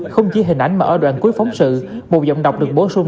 không chỉ hình ảnh mà ở đoạn cuối phóng sự một giọng đọc được bổ sung